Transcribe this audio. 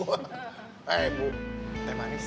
eh bu teh manis